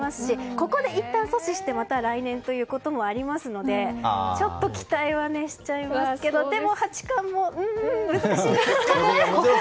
ここでいったん阻止してまた来年ということもありますのでちょっと期待はしちゃいますけどでも、八冠もうーん難しいですね。